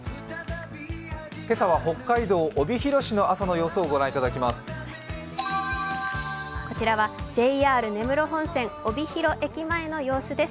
今朝は北海道・帯広市の朝の様子を御覧いただきます。